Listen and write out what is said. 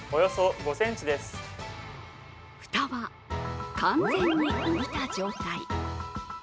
フタは完全に浮いた状態。